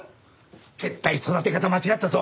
絶対育て方間違ったぞ！